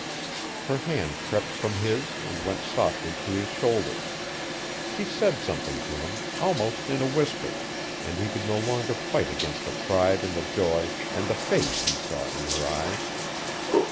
Her hand crept from his and went softly to his shoulder. She said something to him, almost in a whisper, and he could no longer fight against the pride and the joy and the faith he saw in her eyes.